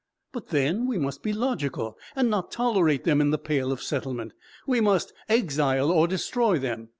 But then we must be logical and not tolerate them in the "Pale of Settlement"; we must exile or destroy them.